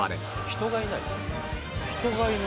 人がいない。